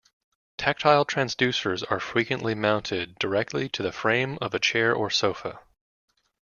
Tactile transducers are frequently mounted directly to the frame of a chair or sofa.